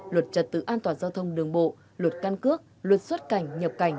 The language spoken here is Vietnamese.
luật trật tự an toàn giao thông đường bộ luật căn cước luật xuất cảnh nhập cảnh